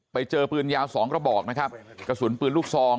ไปเจอปืนยาวสองกระบอกนะครับกระสุนปืนลูกซอง